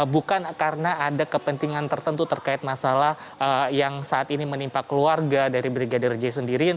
bukan karena ada kepentingan tertentu terkait masalah yang saat ini menimpa keluarga dari brigadir j sendiri